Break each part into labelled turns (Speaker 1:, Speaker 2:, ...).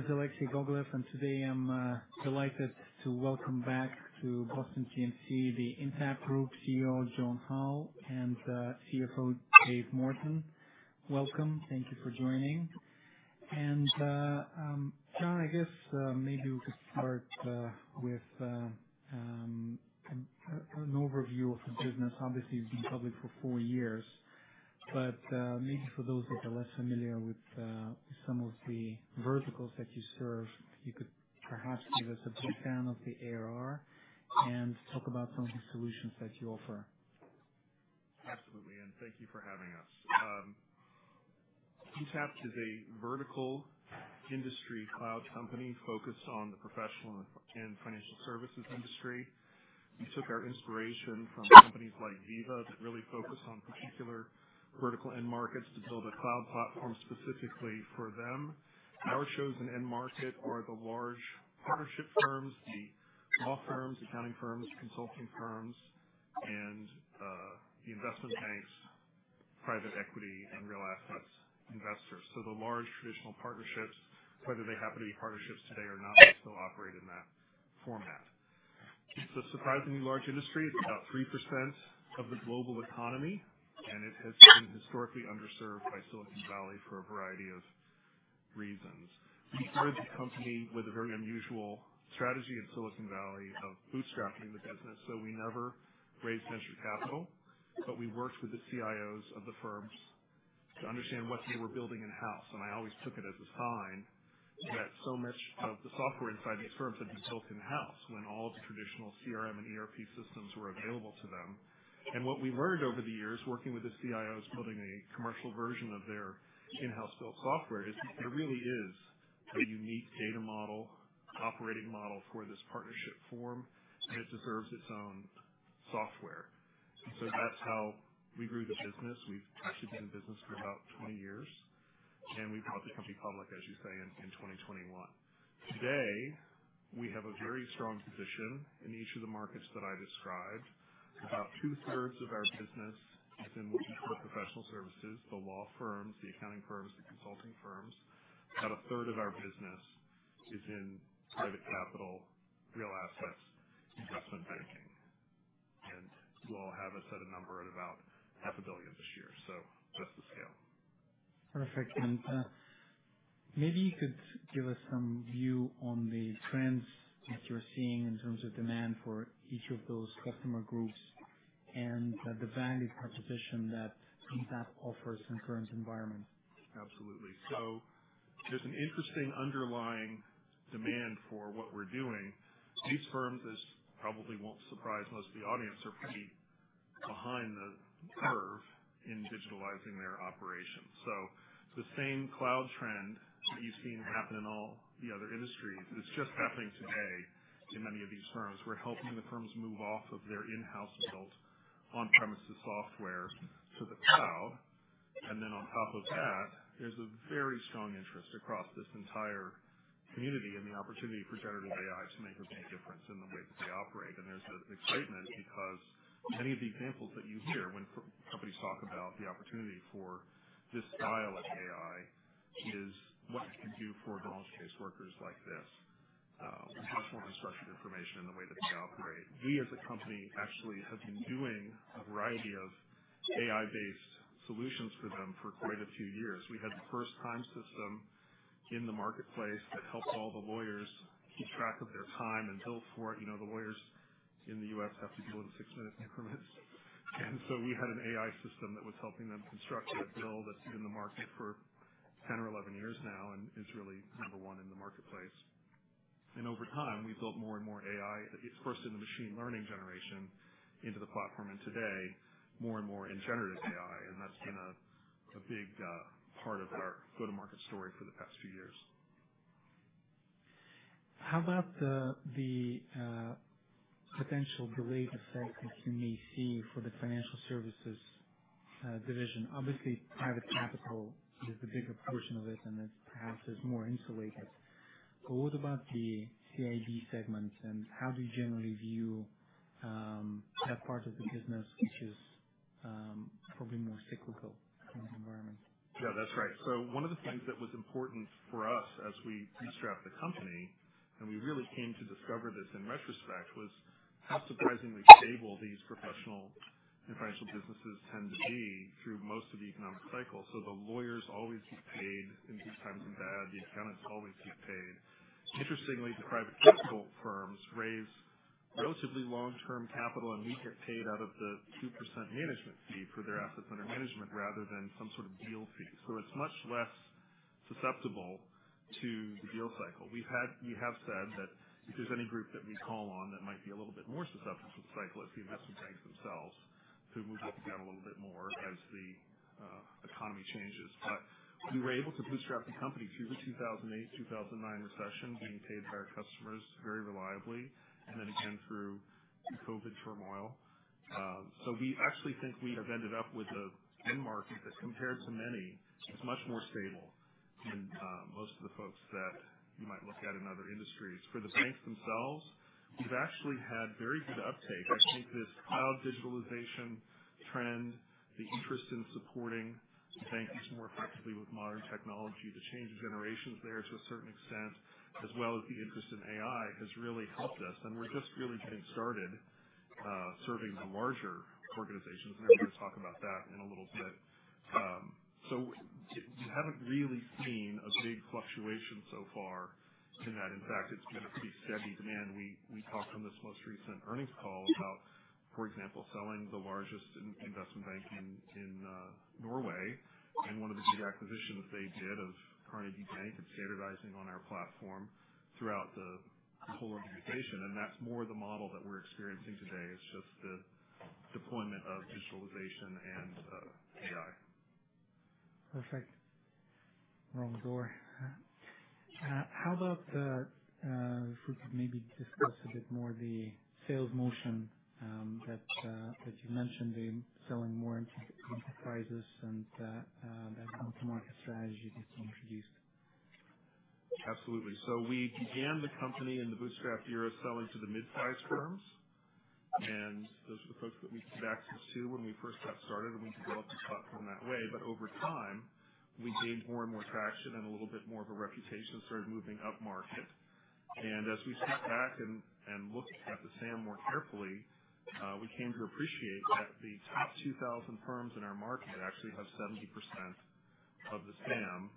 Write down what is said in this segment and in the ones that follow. Speaker 1: Hello, everyone. My name is Alexei Bogleff, and today I'm delighted to welcome back to Boston GMC the Intapp Group CEO, John Hall, and CFO, Dave Morton. Welcome. Thank you for joining. John, I guess maybe we could start with an overview of the business. Obviously, you've been public for four years, but maybe for those that are less familiar with some of the verticals that you serve, you could perhaps give us a breakdown of the ARR and talk about some of the solutions that you offer.
Speaker 2: Absolutely. Thank you for having us. Intapp is a vertical industry cloud company focused on the professional and financial services industry. We took our inspiration from companies like Veeva that really focus on particular vertical end markets to build a cloud platform specifically for them. Our chosen end market are the large partnership firms, the law firms, accounting firms, consulting firms, and the investment banks, private equity, and real estate investors. The large traditional partnerships, whether they happen to be partnerships today or not, still operate in that format. It is a surprisingly large industry. It is about 3% of the global economy, and it has been historically underserved by Silicon Valley for a variety of reasons. We started the company with a very unusual strategy in Silicon Valley of bootstrapping the business, so we never raised venture capital, but we worked with the CIOs of the firms to understand what they were building in-house. I always took it as a sign that so much of the software inside these firms had been built in-house when all of the traditional CRM and ERP systems were available to them. What we learned over the years working with the CIOs building a commercial version of their in-house built software is there really is a unique data model, operating model for this partnership form, and it deserves its own software. That is how we grew the business. We've actually been in business for about 20 years, and we brought the company public, as you say, in 2021. Today, we have a very strong position in each of the markets that I described. About two-thirds of our business is in professional services. The law firms, the accounting firms, the consulting firms, about a third of our business is in private capital, real estate, investment banking. You all have us at a number at about $0.5 billion this year. So that's the scale.
Speaker 1: Perfect. Maybe you could give us some view on the trends that you're seeing in terms of demand for each of those customer groups and the value proposition that Intapp offers in the current environment.
Speaker 2: Absolutely. There is an interesting underlying demand for what we're doing. These firms, as probably won't surprise most of the audience, are pretty behind the curve in digitalizing their operations. The same cloud trend that you've seen happen in all the other industries is just happening today in many of these firms. We're helping the firms move off of their in-house built on-premises software to the cloud. On top of that, there is a very strong interest across this entire community in the opportunity for generative AI to make a big difference in the way that they operate. There is excitement because many of the examples that you hear when companies talk about the opportunity for this style of AI is what we can do for the most caseworkers like this, much more unstructured information in the way that they operate. We, as a company, actually have been doing a variety of AI-based solutions for them for quite a few years. We had the first Time system in the marketplace that helped all the lawyers keep track of their time and bill for it. The lawyers in the U.S. have to do it in six-minute increments. We had an AI system that was helping them construct that bill that's been in the market for 10 or 11 years now and is really number one in the marketplace. Over time, we built more and more AI, first in the machine learning generation into the platform, and today more and more in generative AI. That's been a big part of our go-to-market story for the past few years.
Speaker 1: How about the potential delayed effect that you may see for the financial services division? Obviously, private capital is the bigger portion of it, and it's perhaps more insulated. What about the CID segment, and how do you generally view that part of the business, which is probably more cyclical in the environment?
Speaker 2: Yeah, that's right. One of the things that was important for us as we bootstrapped the company, and we really came to discover this in retrospect, was how surprisingly stable these professional and financial businesses tend to be through most of the economic cycle. The lawyers always get paid in good times and bad. The accountants always get paid. Interestingly, the private capital firms raise relatively long-term capital, and we get paid out of the 2% management fee for their assets under management rather than some sort of deal fee. It is much less susceptible to the deal cycle. We have said that if there is any group that we call on that might be a little bit more susceptible to the cycle, it is the investment banks themselves who move up and down a little bit more as the economy changes. We were able to bootstrap the company through the 2008, 2009 recession, being paid by our customers very reliably, and then again through the COVID turmoil. We actually think we have ended up with an end market that, compared to many, is much more stable than most of the folks that you might look at in other industries. For the banks themselves, we've actually had very good uptake. I think this cloud digitalization trend, the interest in supporting the bankers more effectively with modern technology, the change of generations there to a certain extent, as well as the interest in AI has really helped us. We're just really getting started serving the larger organizations, and I'm going to talk about that in a little bit. We haven't really seen a big fluctuation so far in that. In fact, it's been a pretty steady demand. We talked on this most recent earnings call about, for example, selling the largest investment bank in Norway and one of the big acquisitions they did of Carnegie Bank and standardizing on our platform throughout the whole organization. That is more the model that we're experiencing today. It's just the deployment of digitalization and AI.
Speaker 1: Perfect. Wrong door. How about if we could maybe discuss a bit more the sales motion that you mentioned, the selling more into enterprises and that multi-market strategy that you introduced?
Speaker 2: Absolutely. We began the company in the bootstrap era selling to the mid-size firms, and those were the folks that we gave access to when we first got started, and we developed the platform that way. Over time, we gained more and more traction and a little bit more of a reputation and started moving up market. As we step back and look at the SAM more carefully, we came to appreciate that the top 2,000 firms in our market actually have 70% of the SAM.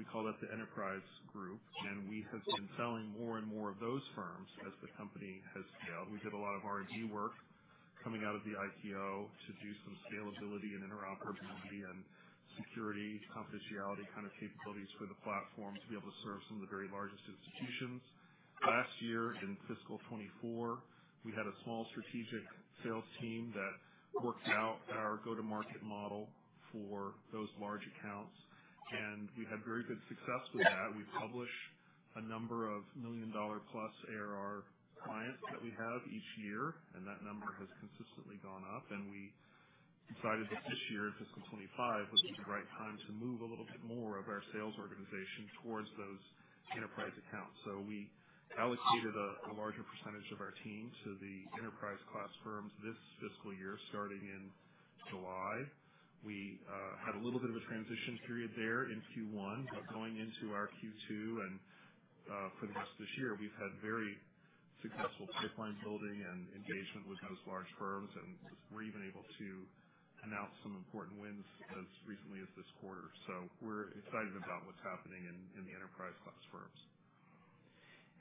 Speaker 2: We call that the enterprise group, and we have been selling more and more of those firms as the company has scaled. We did a lot of R&D work coming out of the IPO to do some scalability and interoperability and security confidentiality kind of capabilities for the platform to be able to serve some of the very largest institutions. Last year, in fiscal 2024, we had a small strategic sales team that worked out our go-to-market model for those large accounts, and we had very good success with that. We publish a number of million-dollar-plus ARR clients that we have each year, and that number has consistently gone up. We decided that this year, in fiscal 2025, was the right time to move a little bit more of our sales organization towards those enterprise accounts. We allocated a larger percentage of our team to the enterprise-class firms this fiscal year, starting in July. We had a little bit of a transition period there in Q1, but going into our Q2 and for the rest of this year, we've had very successful pipeline building and engagement with those large firms, and we're even able to announce some important wins as recently as this quarter. We're excited about what's happening in the enterprise-class firms.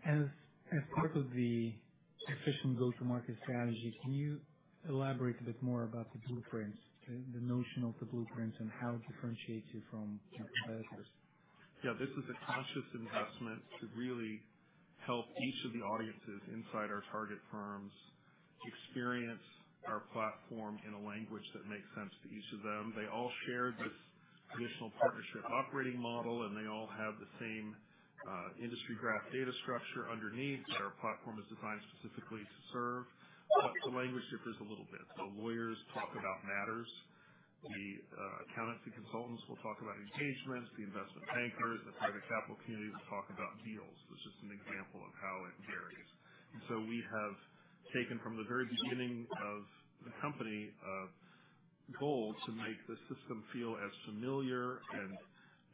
Speaker 1: As part of the efficient go-to-market strategy, can you elaborate a bit more about the blueprints, the notion of the blueprints, and how it differentiates you from competitors?
Speaker 2: Yeah. This is a conscious investment to really help each of the audiences inside our target firms experience our platform in a language that makes sense to each of them. They all share this traditional partnership operating model, and they all have the same industry graph data structure underneath that our platform is designed specifically to serve. The language differs a little bit. The lawyers talk about matters. The accountants and consultants will talk about engagements. The investment bankers and private capital community will talk about deals, which is an example of how it varies. We have taken from the very beginning of the company a goal to make the system feel as familiar and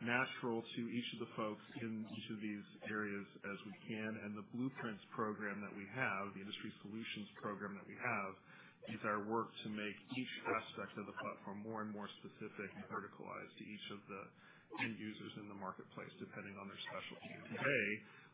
Speaker 2: natural to each of the folks in each of these areas as we can. The blueprints program that we have, the industry solutions program that we have, is our work to make each aspect of the platform more and more specific and verticalized to each of the end users in the marketplace, depending on their specialty. Today,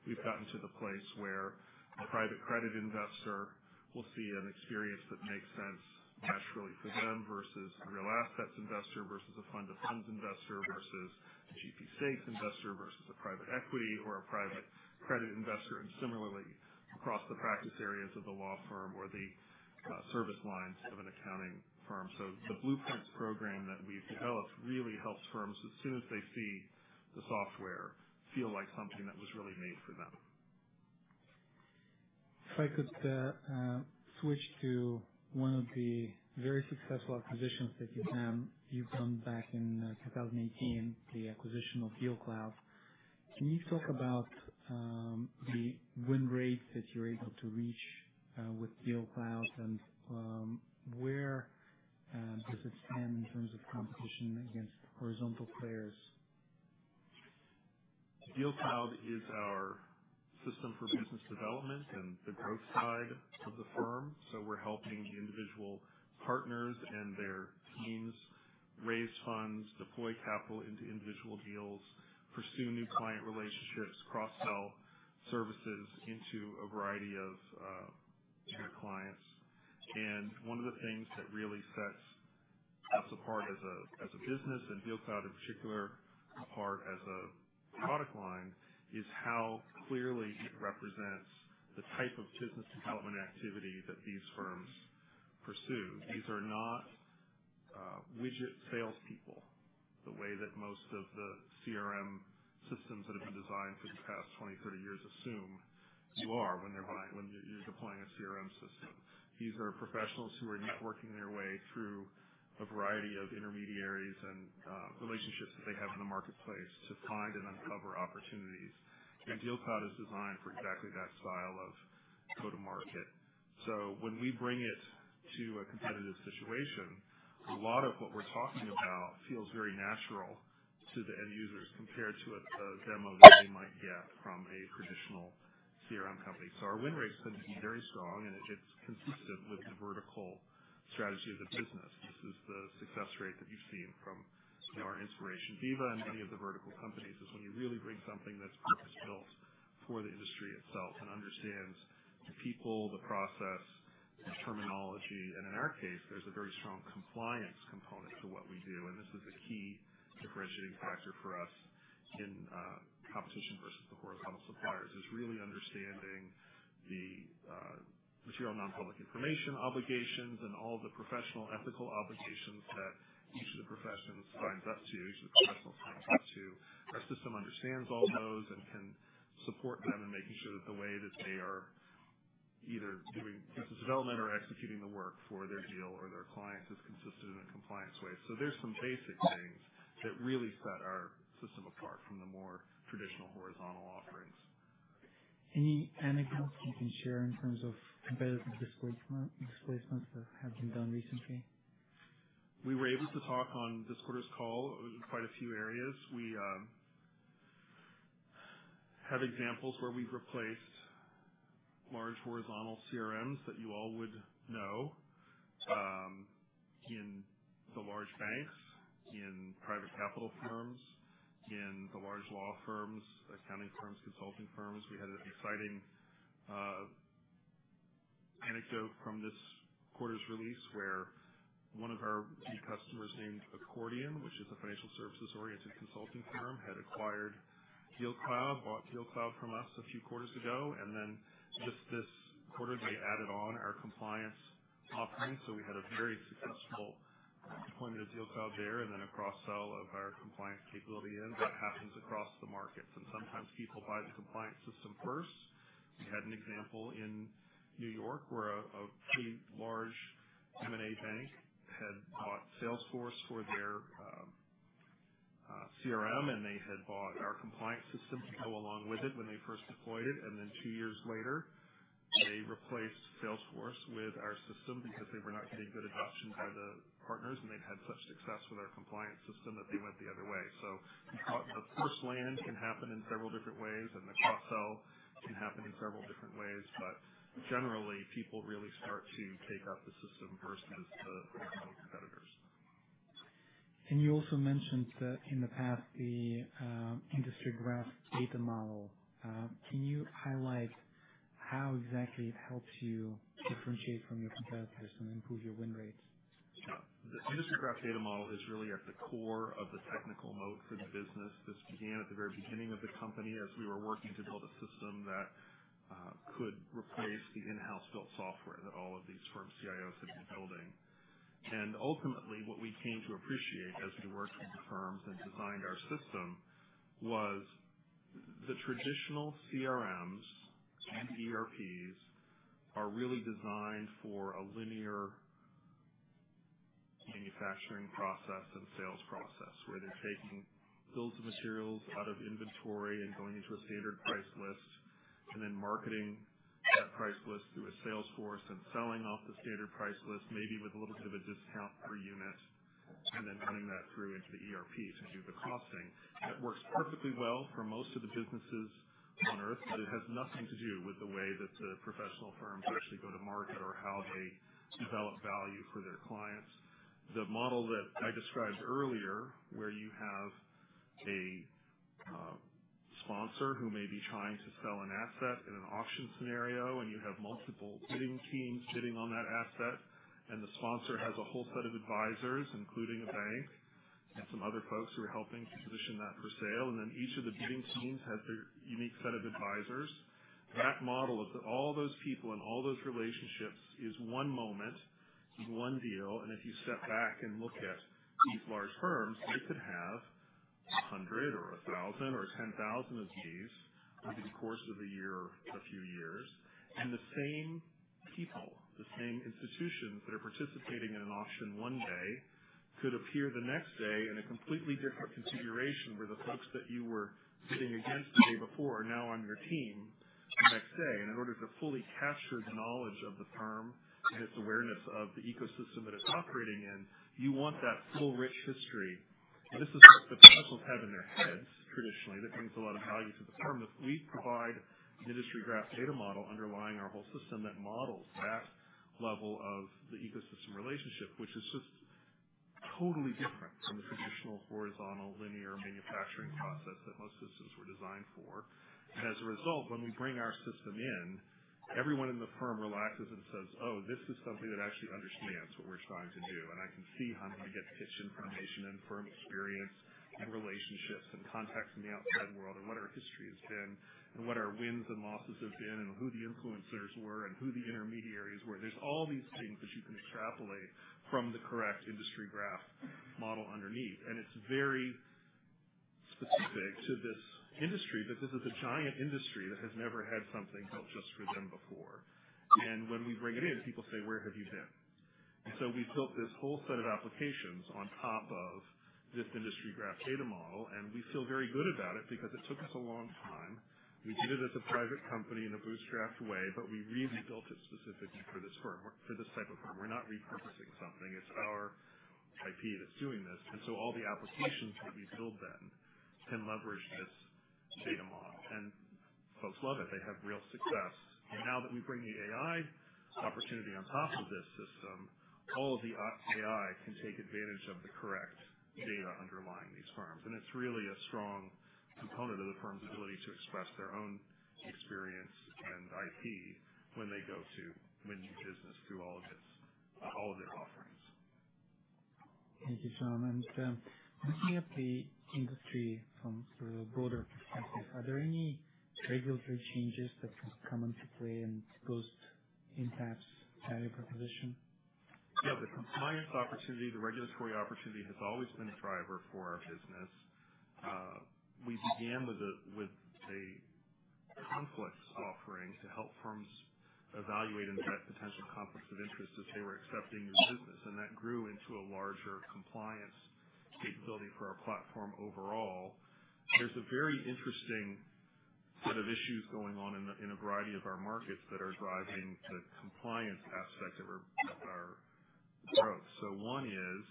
Speaker 2: we've gotten to the place where the private credit investor will see an experience that makes sense naturally for them versus a real estate investor versus a fund-of-funds investor versus a GP stakes investor versus a private equity or a private credit investor. Similarly, across the practice areas of the law firm or the service lines of an accounting firm. The blueprints program that we've developed really helps firms as soon as they see the software feel like something that was really made for them.
Speaker 1: If I could switch to one of the very successful acquisitions that you've done back in 2018, the acquisition of DealCloud, can you talk about the win rates that you're able to reach with DealCloud and where does it stand in terms of competition against horizontal players?
Speaker 2: DealCloud is our system for business development and the growth side of the firm. We're helping individual partners and their teams raise funds, deploy capital into individual deals, pursue new client relationships, cross-sell services into a variety of clients. One of the things that really sets us apart as a business and DealCloud in particular apart as a product line is how clearly it represents the type of business development activity that these firms pursue. These are not widget salespeople the way that most of the CRM systems that have been designed for the past 20-30 years assume you are when you're deploying a CRM system. These are professionals who are networking their way through a variety of intermediaries and relationships that they have in the marketplace to find and uncover opportunities. DealCloud is designed for exactly that style of go-to-market. When we bring it to a competitive situation, a lot of what we're talking about feels very natural to the end users compared to a demo that they might get from a traditional CRM company. Our win rates tend to be very strong, and it's consistent with the vertical strategy of the business. This is the success rate that you've seen from our inspiration Veeva and many of the vertical companies is when you really bring something that's purpose-built for the industry itself and understands the people, the process, the terminology. In our case, there's a very strong compliance component to what we do. This is a key differentiating factor for us in competition versus the horizontal suppliers, is really understanding the material nonpublic information obligations and all of the professional ethical obligations that each of the professions signs up to, each of the professionals signs up to. Our system understands all of those and can support them in making sure that the way that they are either doing business development or executing the work for their deal or their clients is consistent in a compliance way. There are some basic things that really set our system apart from the more traditional horizontal offerings.
Speaker 1: Any anecdotes you can share in terms of competitive displacements that have been done recently?
Speaker 2: We were able to talk on this quarter's call in quite a few areas. We have examples where we've replaced large horizontal CRMs that you all would know in the large banks, in private capital firms, in the large law firms, accounting firms, consulting firms. We had an exciting anecdote from this quarter's release where one of our key customers named Accordion, which is a financial services-oriented consulting firm, had acquired DealCloud, bought DealCloud from us a few quarters ago. Then just this quarter, they added on our compliance offering. We had a very successful deployment of DealCloud there and then a cross-sell of our compliance capability in. That happens across the markets. Sometimes people buy the compliance system first. We had an example in New York where a pretty large M&A bank had bought Salesforce for their CRM, and they had bought our compliance system to go along with it when they first deployed it. Two years later, they replaced Salesforce with our system because they were not getting good adoption by the partners, and they had such success with our compliance system that they went the other way. The first land can happen in several different ways, and the cross-sell can happen in several different ways. Generally, people really start to take up the system versus the competitors.
Speaker 1: You also mentioned in the past the industry graph data model. Can you highlight how exactly it helps you differentiate from your competitors and improve your win rates?
Speaker 2: Yeah. The industry graph data model is really at the core of the technical moat for the business. This began at the very beginning of the company as we were working to build a system that could replace the in-house built software that all of these firm CIOs had been building. Ultimately, what we came to appreciate as we worked with the firms and designed our system was the traditional CRMs and ERPs are really designed for a linear manufacturing process and sales process where they're taking bills of materials out of inventory and going into a standard price list and then marketing that price list through a Salesforce and selling off the standard price list, maybe with a little bit of a discount per unit, and then running that through into the ERP to do the costing. That works perfectly well for most of the businesses on Earth, but it has nothing to do with the way that the professional firms actually go to market or how they develop value for their clients. The model that I described earlier, where you have a sponsor who may be trying to sell an asset in an auction scenario, and you have multiple bidding teams bidding on that asset, and the sponsor has a whole set of advisors, including a bank and some other folks who are helping to position that for sale, and then each of the bidding teams has their unique set of advisors, that model of all those people and all those relationships is one moment, is one deal. If you step back and look at these large firms, they could have 100 or 1,000 or 10,000 of these over the course of a year, a few years. The same people, the same institutions that are participating in an auction one day could appear the next day in a completely different configuration where the folks that you were bidding against the day before are now on your team the next day. In order to fully capture the knowledge of the firm and its awareness of the ecosystem that it's operating in, you want that full rich history. This is what the professionals have in their heads traditionally that brings a lot of value to the firm. We provide an industry graph data model underlying our whole system that models that level of the ecosystem relationship, which is just totally different from the traditional horizontal linear manufacturing process that most systems were designed for. As a result, when we bring our system in, everyone in the firm relaxes and says, "Oh, this is something that actually understands what we're trying to do." I can see how I'm going to get pitch information and firm experience and relationships and contacts in the outside world and what our history has been and what our wins and losses have been and who the influencers were and who the intermediaries were. There are all these things that you can extrapolate from the correct industry graph model underneath. It is very specific to this industry that this is a giant industry that has never had something built just for them before. When we bring it in, people say, "Where have you been?" We have built this whole set of applications on top of this industry graph data model, and we feel very good about it because it took us a long time. We did it as a private company in a bootstrapped way, but we really built it specifically for this firm, for this type of firm. We are not repurposing something. It is our IP that is doing this. All the applications that we build then can leverage this data model. Folks love it. They have real success. Now that we bring the AI opportunity on top of this system, all of the AI can take advantage of the correct data underlying these firms. It is really a strong component of the firm's ability to express their own experience and IP when they go to win business through all of their offerings.
Speaker 1: Thank you, John. Looking at the industry from a broader perspective, are there any regulatory changes that can come into play and pose impacts at your proposition?
Speaker 2: Yeah. The compliance opportunity, the regulatory opportunity has always been a driver for our business. We began with a conflicts offering to help firms evaluate and vet potential conflicts of interest as they were accepting new business. That grew into a larger compliance capability for our platform overall. There's a very interesting set of issues going on in a variety of our markets that are driving the compliance aspect of our growth. One is,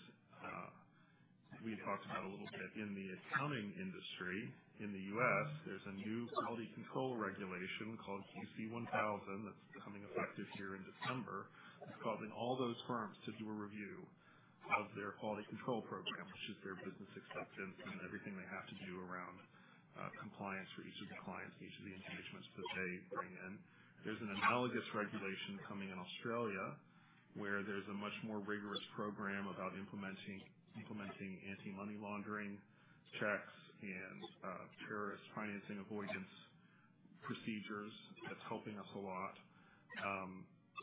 Speaker 2: we talked about a little bit in the accounting industry in the U.S., there's a new quality control regulation called QC 1000 that's becoming effective here in December. It's causing all those firms to do a review of their quality control program, which is their business acceptance and everything they have to do around compliance for each of the clients and each of the engagements that they bring in. There's an analogous regulation coming in Australia where there's a much more rigorous program about implementing anti-money laundering checks and terrorist financing avoidance procedures. That's helping us a lot.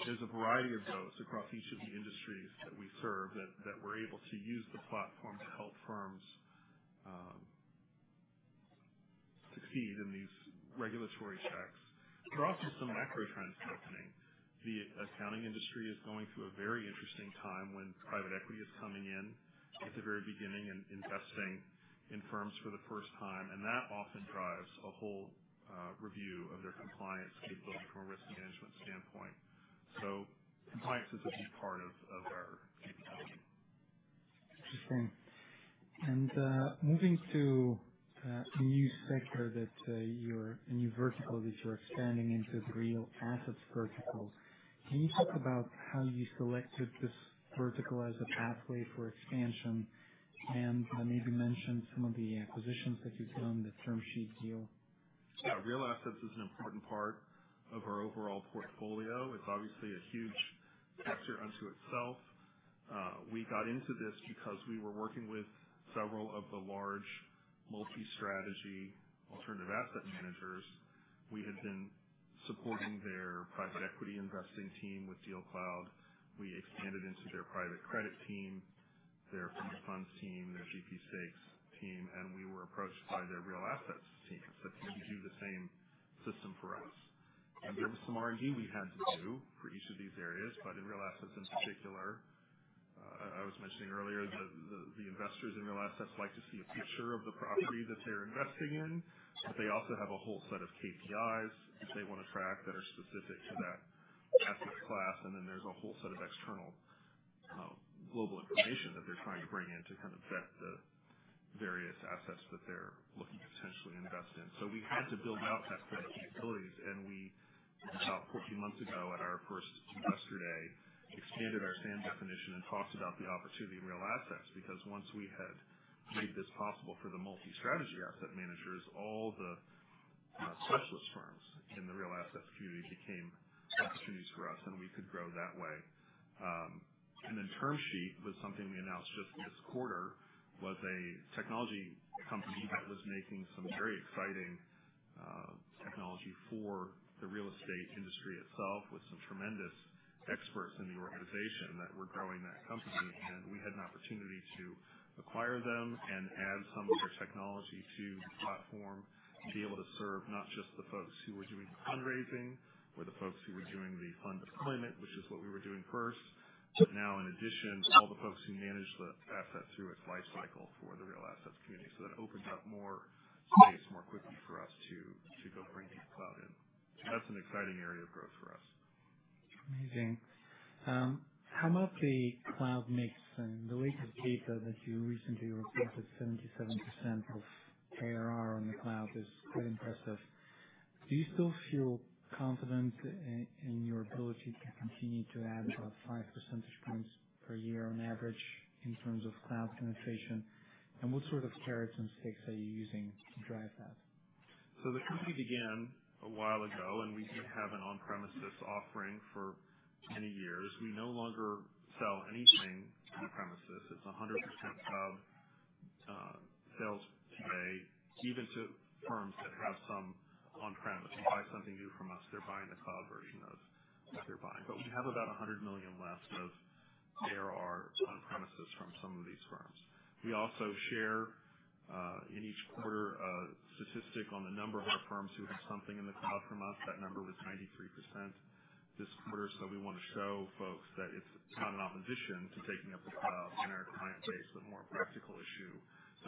Speaker 2: There's a variety of those across each of the industries that we serve that we're able to use the platform to help firms succeed in these regulatory checks. There are also some macro trends happening. The accounting industry is going through a very interesting time when private equity is coming in at the very beginning and investing in firms for the first time. That often drives a whole review of their compliance capability from a risk management standpoint. Compliance is a big part of our accounting.
Speaker 1: Interesting. Moving to a new sector, a new vertical that you're expanding into, the real assets vertical, can you talk about how you selected this vertical as a pathway for expansion and maybe mention some of the acquisitions that you've done, the TermSheet deal?
Speaker 2: Yeah. Real assets is an important part of our overall portfolio. It's obviously a huge factor unto itself. We got into this because we were working with several of the large multi-strategy alternative asset managers. We had been supporting their private equity investing team with DealCloud. We expanded into their private credit team, their hedge funds team, their GP stakes team, and we were approached by their real assets team and said, "Can you do the same system for us?" There was some R&D we had to do for each of these areas. In real assets in particular, I was mentioning earlier that the investors in real assets like to see a picture of the property that they're investing in, but they also have a whole set of KPIs that they want to track that are specific to that asset class. There is a whole set of external global information that they are trying to bring in to kind of vet the various assets that they are looking to potentially invest in. We had to build out that set of capabilities. About 14 months ago at our first investor day, we expanded our SAM definition and talked about the opportunity in real assets. Once we had made this possible for the multi-strategy asset managers, all the specialist firms in the real assets community became opportunities for us, and we could grow that way. TermSheet was something we announced just this quarter. It was a technology company that was making some very exciting technology for the real estate industry itself with some tremendous experts in the organization that were growing that company. We had an opportunity to acquire them and add some of their technology to the platform and be able to serve not just the folks who were doing the fundraising or the folks who were doing the fund deployment, which is what we were doing first, but now in addition, all the folks who manage the asset through its lifecycle for the real assets community. That opens up more space more quickly for us to go bring DealCloud in. That is an exciting area of growth for us.
Speaker 1: Amazing. How much the cloud makes and the latest data that you recently reported, 77% of ARR on the cloud, is quite impressive. Do you still feel confident in your ability to continue to add about 5 percentage points per year on average in terms of cloud penetration? What sort of carrots and sticks are you using to drive that?
Speaker 2: The company began a while ago, and we have had an on-premises offering for many years. We no longer sell anything on-premises. It's 100% cloud sales today, even to firms that have some on-prem. If you buy something new from us, they're buying the cloud version of what they're buying. We have about $100 million left of ARR on-premises from some of these firms. We also share in each quarter a statistic on the number of our firms who have something in the cloud from us. That number was 93% this quarter. We want to show folks that it's not an opposition to taking up the cloud in our client base, but more a practical issue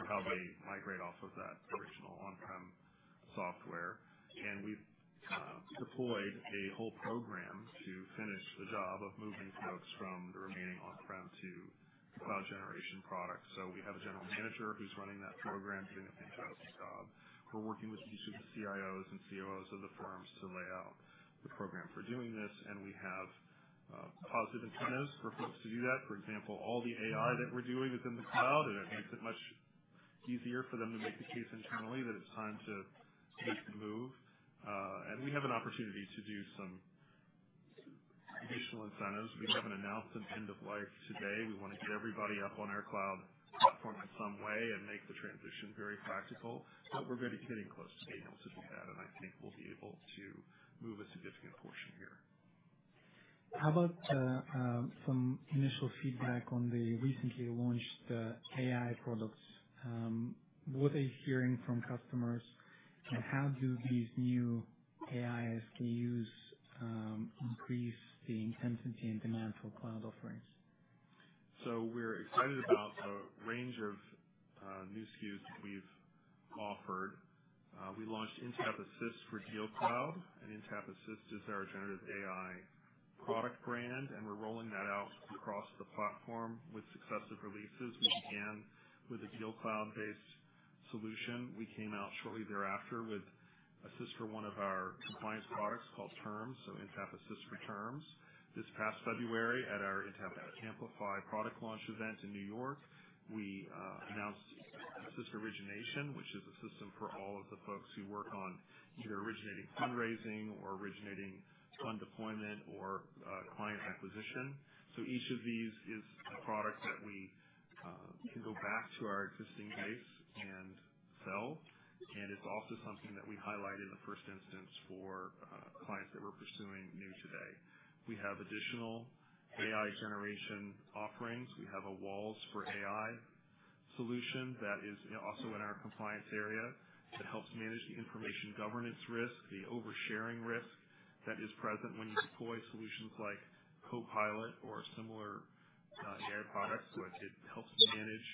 Speaker 2: to how they migrate off of that original on-prem software. We have deployed a whole program to finish the job of moving folks from the remaining on-prem to cloud generation products. We have a general manager who's running that program, doing a fantastic job. We're working with each of the CIOs and COOs of the firms to lay out the program for doing this. We have positive incentives for folks to do that. For example, all the AI that we're doing is in the cloud, and it makes it much easier for them to make the case internally that it's time to make the move. We have an opportunity to do some additional incentives. We haven't announced an end of life today. We want to get everybody up on our cloud platform in some way and make the transition very practical. We're getting close to being able to do that, and I think we'll be able to move a significant portion here.
Speaker 1: How about some initial feedback on the recently launched AI products? What are you hearing from customers, and how do these new AI SKUs increase the intensity and demand for cloud offerings?
Speaker 2: We're excited about the range of new SKUs that we've offered. We launched Intapp Assist for DealCloud. Intapp Assist is our generative AI product brand, and we're rolling that out across the platform with successive releases. We began with a DealCloud-based solution. We came out shortly thereafter with a system for one of our compliance products called Terms, so Intapp Assist for Terms. This past February, at our Intapp Amplify product launch event in New York, we announced Assist Origination, which is a system for all of the folks who work on either originating fundraising or originating fund deployment or client acquisition. Each of these is a product that we can go back to our existing base and sell. It's also something that we highlight in the first instance for clients that we're pursuing new today. We have additional AI generation offerings. We have a Walls for AI solution that is also in our compliance area that helps manage the information governance risk, the oversharing risk that is present when you deploy solutions like Copilot or similar AI products. It helps manage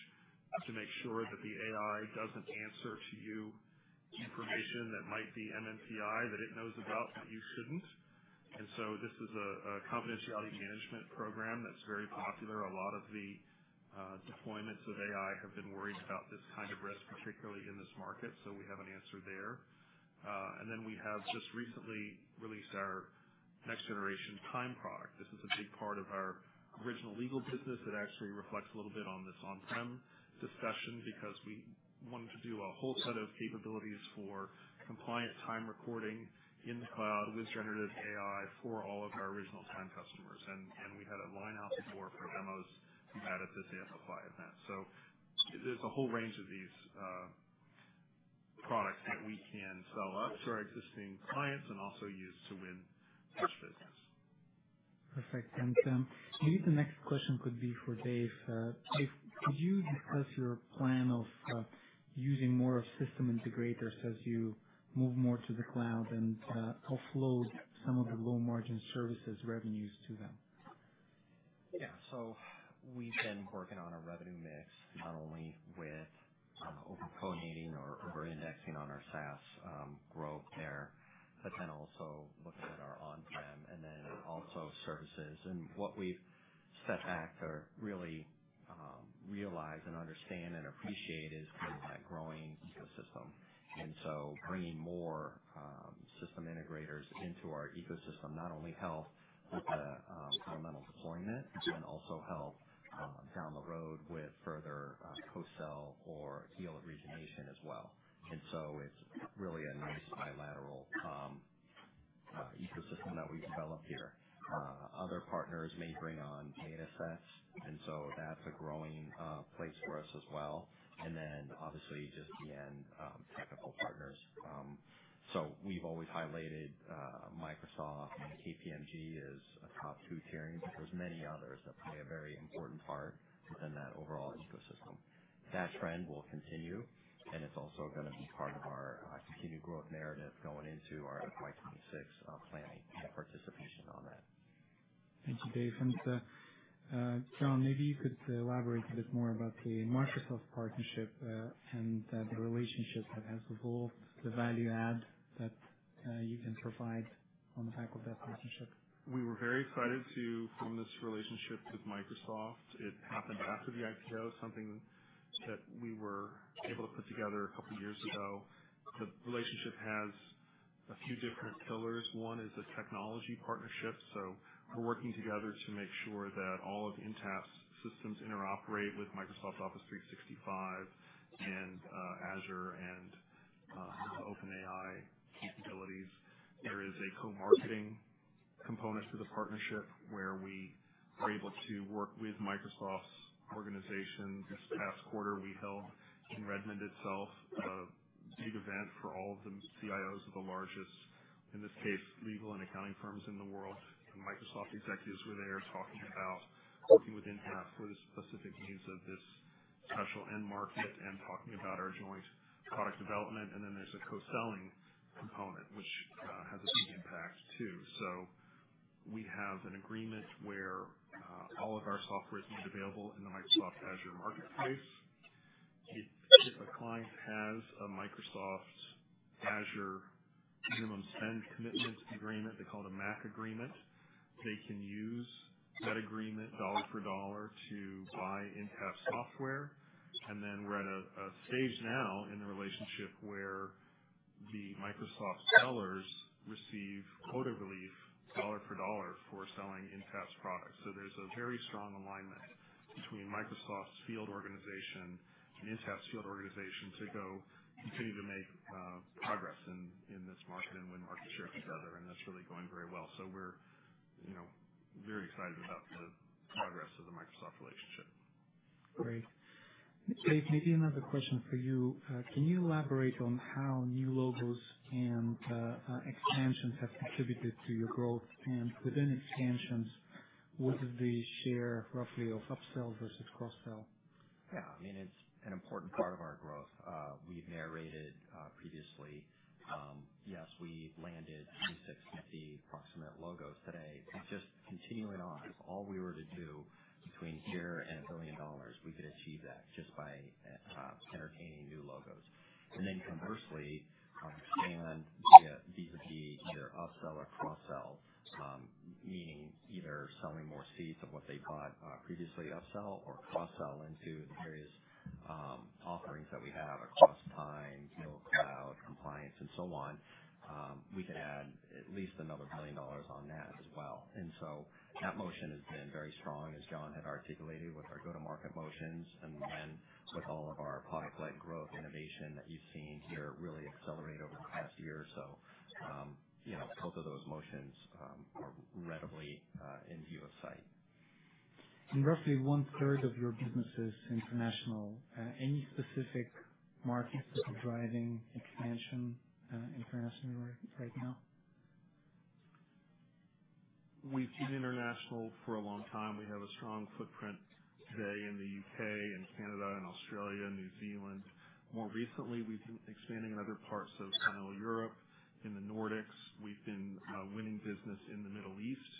Speaker 2: to make sure that the AI doesn't answer to you information that might be MNPI that it knows about that you shouldn't. And so this is a confidentiality management program that's very popular. A lot of the deployments of AI have been worried about this kind of risk, particularly in this market, so we have an answer there. And then we have just recently released our next generation Time product. This is a big part of our original legal business that actually reflects a little bit on this on-prem discussion because we wanted to do a whole set of capabilities for compliant time recording in the cloud with generative AI for all of our original Time customers. We had a line out the door for demos we had at this Amplify event. There is a whole range of these products that we can sell up to our existing clients and also use to win such business.
Speaker 1: Perfect. Maybe the next question could be for Dave. Dave, could you discuss your plan of using more of system integrators as you move more to the cloud and offload some of the low-margin services revenues to them?
Speaker 3: Yeah. We've been working on a revenue mix not only with over-pronating or over-indexing on our SaaS growth there, but then also looking at our on-prem and then also services. What we've set back or really realized and understand and appreciate is kind of that growing ecosystem. Bringing more system integrators into our ecosystem not only helps with the fundamental deployment but then also helps down the road with further co-sell or deal origination as well. It's really a nice bilateral ecosystem that we've developed here. Other partners may bring on data sets, and that's a growing place for us as well. Obviously just the end technical partners. We've always highlighted Microsoft, and KPMG is a top two tiering, but there are many others that play a very important part within that overall ecosystem. That trend will continue, and it's also going to be part of our continued growth narrative going into our FY 2026 planning and part icipation on that.
Speaker 1: Thank you, Dave. John, maybe you could elaborate a bit more about the Microsoft partnership and the relationship that has evolved, the value add that you can provide on the back of that partnership.
Speaker 2: We were very excited to form this relationship with Microsoft. It happened after the IPO, something that we were able to put together a couple of years ago. The relationship has a few different pillars. One is a technology partnership. So we're working together to make sure that all of Intapp's systems interoperate with Microsoft Office 365 and Azure and OpenAI capabilities. There is a co-marketing component to the partnership where we were able to work with Microsoft's organization. This past quarter, we held in Redmond itself a big event for all of the CIOs of the largest, in this case, legal and accounting firms in the world. Microsoft executives were there talking about working with Intapp for the specific needs of this special end market and talking about our joint product development. Then there's a co-selling component, which has a big impact too. We have an agreement where all of our software is made available in the Microsoft Azure marketplace. If a client has a Microsoft Azure minimum spend commitment agreement, they call it a MAC agreement, they can use that agreement dollar for dollar to buy Intapp software. We're at a stage now in the relationship where the Microsoft sellers receive quota relief dollar for dollar for selling Intapp's products. There is a very strong alignment between Microsoft's field organization and Intapp's field organization to continue to make progress in this market and win market share together. That is really going very well. We are very excited about the progress of the Microsoft relationship.
Speaker 1: Great. Dave, maybe another question for you. Can you elaborate on how new logos and expansions have contributed to your growth? Within expansions, what is the share roughly of upsell versus cross-sell?
Speaker 3: Yeah. I mean, it's an important part of our growth. We've narrated previously, yes, we landed 26, 50 approximate logos today. Just continuing on, if all we were to do between here and a billion dollars, we could achieve that just by entertaining new logos. Conversely, expand via B2B, either upsell or cross-sell, meaning either selling more seats of what they bought previously upsell or cross-sell into the various offerings that we have across Time, DealCloud, compliance, and so on. We could add at least another billion dollars on that as well. That motion has been very strong, as John had articulated, with our go-to-market motions and with all of our product-led growth innovation that you've seen here really accelerate over the past year. Both of those motions are readily in view of sight.
Speaker 1: Roughly one-third of your business is international. Any specific markets that are driving expansion internationally right now?
Speaker 2: We've been international for a long time. We have a strong footprint today in the U.K. and Canada and Australia and New Zealand. More recently, we've been expanding in other parts of Central Europe, in the Nordics. We've been winning business in the Middle East.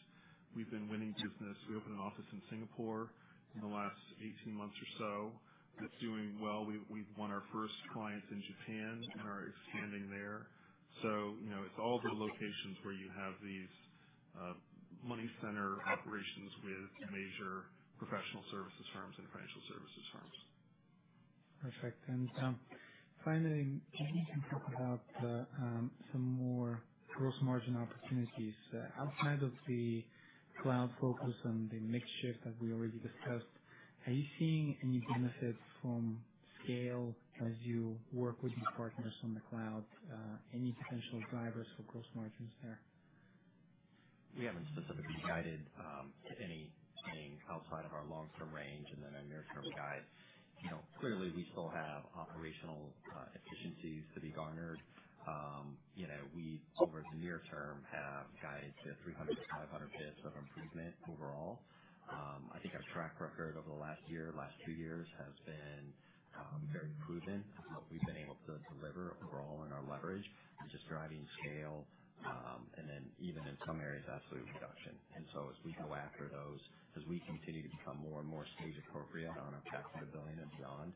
Speaker 2: We opened an office in Singapore in the last 18 months or so. It's doing well. We've won our first clients in Japan and are expanding there. It is all the locations where you have these money center operations with major professional services firms and financial services firms.
Speaker 1: Perfect. Finally, maybe you can talk about some more gross margin opportunities. Outside of the cloud focus and the mixture that we already discussed, are you seeing any benefits from scale as you work with your partners on the cloud? Any potential drivers for gross margins there?
Speaker 3: We haven't specifically guided to anything outside of our long-term range and then our near-term guide. Clearly, we still have operational efficiencies to be garnered. We, over the near term, have guided to 300-500 basis points of improvement overall. I think our track record over the last year, last two years, has been very proven of what we've been able to deliver overall in our leverage and just driving scale and then even in some areas, absolute reduction. As we go after those, as we continue to become more and more stage appropriate on our track for the billion and beyond,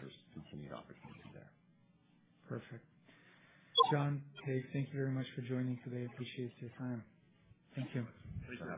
Speaker 3: there's continued opportunity there.
Speaker 1: Perfect. John, Dave, thank you very much for joining today. I appreciate your time. Thank you.
Speaker 2: Pleasure.